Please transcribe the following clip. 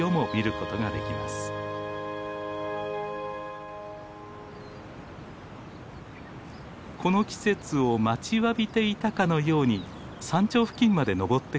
この季節を待ちわびていたかのように山頂付近まで登ってくる生き物がいます。